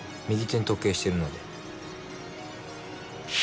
右手に時計してるので